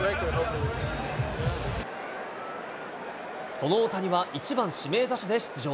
その大谷は、１番指名打者で出場。